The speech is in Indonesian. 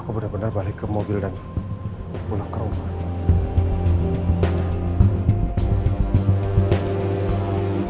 aku benar benar balik ke mobil dan pulang ke rumah